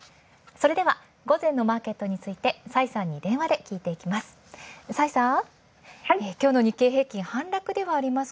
それでは午前のマーケットについて崔さんに電話で聞いていきます。